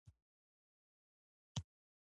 په ګدام ډوله ودانۍ کې هم ځانګړې کوټې وې.